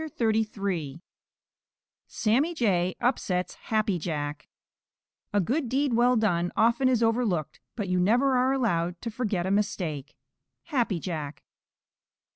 CHAPTER XXXIII SAMMY JAY UPSETS HAPPY JACK A good deed well done often is overlooked, but you never are allowed to forget a mistake. _Happy Jack.